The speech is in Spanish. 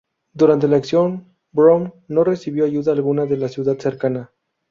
Durante la acción, Brown no recibió ayuda alguna de la ciudad cercana.